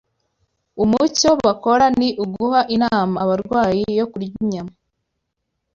umucyo bakora ni uguha inama abarwayi yo kurya inyama.